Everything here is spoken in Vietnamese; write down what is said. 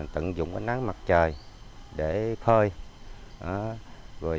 tận dụng nắng mặt trời để phơi